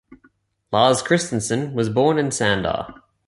Lars Christensen was born in Sandar.